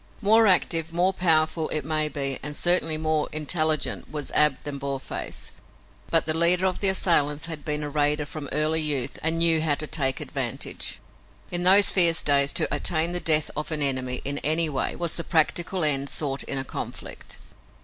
More active, more powerful, it may be, and certainly more intelligent, was Ab than Boarface, but the leader of the assailants had been a raider from early youth and knew how to take advantage. In those fierce days to attain the death of an enemy, in any way, was the practical end sought in a conflict.